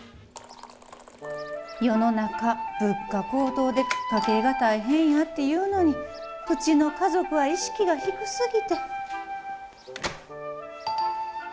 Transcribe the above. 世の中、物価高騰で、家計が大変やっていうのに、うちの家族は意識が低すぎて。